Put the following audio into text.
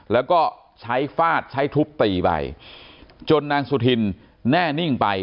แล้วก็ใช้ฟาดใช้ทุบตีไปจนนางสุธินแน่นิ่งไป